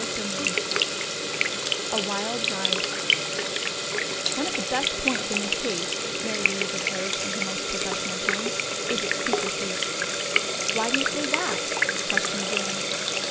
CHAPTER VI A Wild Ride "One of the best points in this case," Mary Louise observed, in her most professional tone, "is its secrecy." "Why do you say that?" questioned Jane.